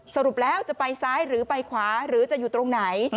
สรุปแล้วจะไปซ้ายหรือไปขวาหรือจะอยู่ตรงไหน